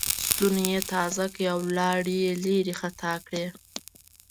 ستونی یې تازه کړ او لاړې یې لېرې خطا کړې.